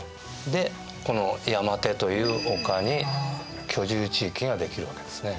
でこの山手という丘に居住地域が出来るわけですね。